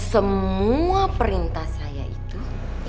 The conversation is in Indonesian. semua perintah saya itu